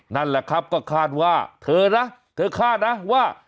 นั่นแหละครับก็คาดว่าเธอนะเธอคาดนะว่า